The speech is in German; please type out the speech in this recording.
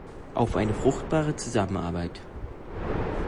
Auf eine fruchtbare Zusammenarbeit!